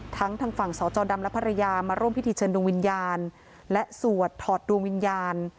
ทั้งทางฝั่งสจดำและภรรยามาร่วมพิธีเชิญดวงวิญญาณและสวดถอดดวงวิญญาณ